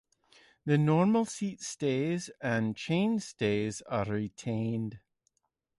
The normal seat stays and chain stays are retained.